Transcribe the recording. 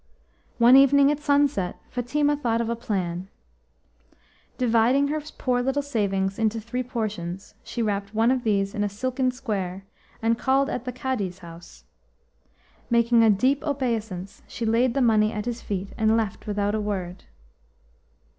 One evening at sunset Fatima thought of a plan. Dividing her poor little savings into three portions, she wrapped one of these in a silken square, and called at the Cadi's house. Making a deep obeisance she laid the money at his feet, and left without a word.